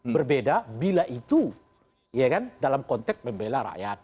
berbeda bila itu ya kan dalam konteks membela rakyat